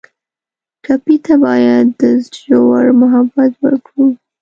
ټپي ته باید ژور محبت ورکړو.